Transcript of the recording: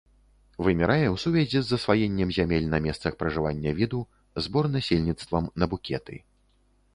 Вымірае ў сувязі з засваеннем зямель на месцах пражывання віду, збор насельніцтвам на букеты.